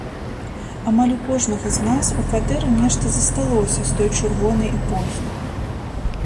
Амаль у кожнага з нас у кватэры нешта засталося з той чырвонай эпохі.